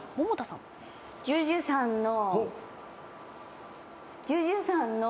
ＪＵＪＵさんの。